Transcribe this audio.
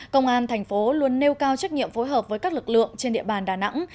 công an thành phố luôn nêu cao trách nhiệm phối hợp với các lực lượng trên địa bàn đà nẵng